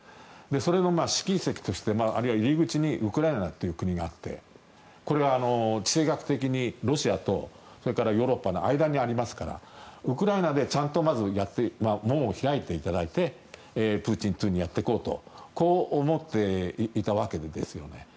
それの試金石として、入り口にウクライナという国があってこれは地政学的にロシアとヨーロッパの間にありますからウクライナでちゃんとまずやって門を開いていただいてプーチン２にやっていこうとこう思っていたわけですよね。